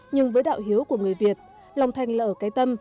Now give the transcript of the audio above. nhưng với đạo hiếu của người việt lòng thành là ở cái tâm